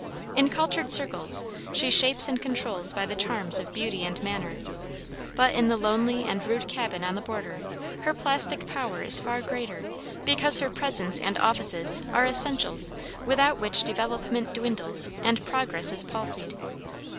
In cultured circles she shapes and controls by the charms of beauty and manner. But in the lonely and rude cabin on the border her plastic power is far greater because her presence and offices are essentials without which development dwindles and progress is palsied.